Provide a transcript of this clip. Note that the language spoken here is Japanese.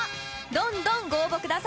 どんどんご応募ください。